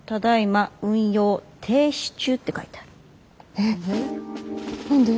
えっ何で？